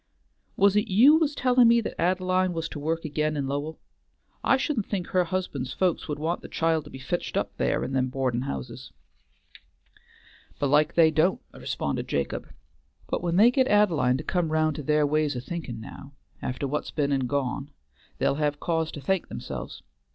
"Was it you was tellin' me that Ad'line was to work again in Lowell? I shouldn't think her husband's folks would want the child to be fetched up there in them boardin' houses" "Belike they don't," responded Jacob, "but when they get Ad'line to come round to their ways o' thinkin' now, after what's been and gone, they'll have cause to thank themselves.